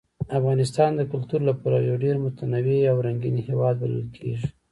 افغانستان د کلتور له پلوه یو ډېر متنوع او رنګین هېواد بلل کېږي.